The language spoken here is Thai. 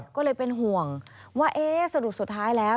ก็เลยเป็นห่วงว่าเอ๊ะสรุปสุดท้ายแล้ว